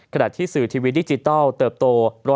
ขณะที่สื่อทีวีดิจิทัลเติบโต๑๐